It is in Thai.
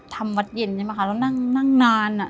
วัดเย็นใช่ไหมคะแล้วนั่งนาน